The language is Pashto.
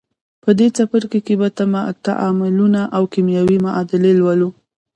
په دې څپرکي کې به تعاملونه او کیمیاوي معادلې ولولئ.